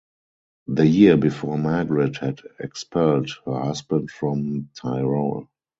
The year before Margaret had expelled her husband from Tyrol.